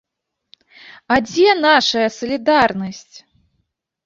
А дзе нашая салідарнасць?